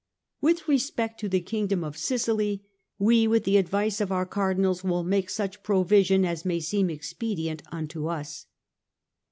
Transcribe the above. With respect to the Kingdom of Sicily, we, with the advice of our Cardinals, will make such provision as may seem expedient unto us."